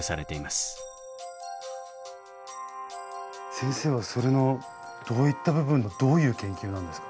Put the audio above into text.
先生はそれのどういった部分のどういう研究なんですか？